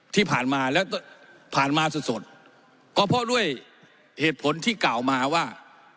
ที่ผ่านมาแล้วก็ผ่านมาสดสดก็เพราะด้วยเหตุผลที่กล่าวมาว่า